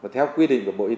theo quy định của bộ y tế